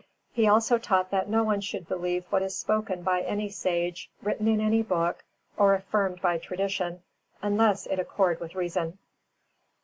He also taught that no one should believe what is spoken by any sage, written in any book, or affirmed by tradition, unless it accord with reason.